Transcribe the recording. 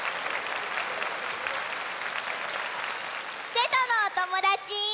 瀬戸のおともだち！